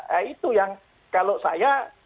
nah itu yang kalau saya